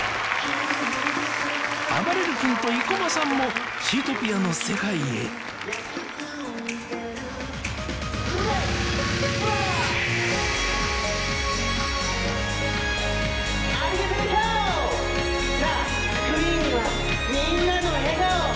あばれる君と生駒さんも「シートピア」の世界へありがとうスクリーンにはみんなの笑顔